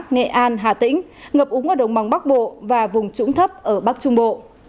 nghệ an hà tĩnh ngập úng ở đồng bằng bắc bộ và vùng trũng thấp ở bắc trung bộ